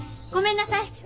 ごめんなさい